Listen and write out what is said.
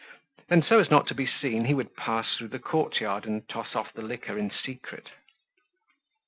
Then so as not to be seen, he would pass through the courtyard and toss off the liquor in secret.